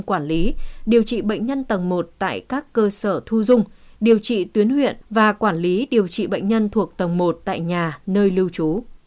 quản lý điều trị bệnh nhân tầng một tại các cơ sở thu dung điều trị tuyến huyện và quản lý điều trị bệnh nhân thuộc tầng một tại nhà nơi lưu trú